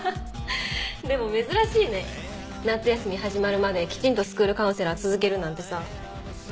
でも珍しいね夏休み始まるまできちんとスクールカウンセラー続けるなんてさ。